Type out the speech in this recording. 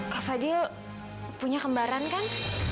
kak fadil punya kembaran kan